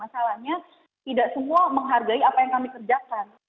masalahnya tidak semua menghargai apa yang kami kerjakan